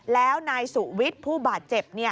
แล้วนายสุวิทย์ผู้บาดเจ็บ